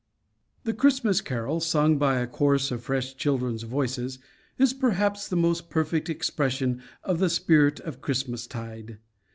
The Christmas carol, sung by a chorus of fresh children's voices, is perhaps the most perfect expression of the spirit of Christmastide.